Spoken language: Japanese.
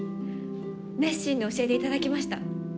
熱心に教えていただきました。